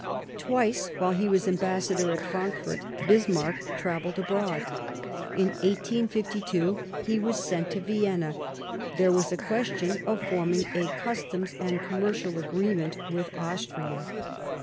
Twice, while he was Ambassador at Frankfort, Bismarck travelled abroad. In 1852 he was sent to Vienna ; there was a question of Journeys to forming a Customs . and Commercial Paris agreement with Austria.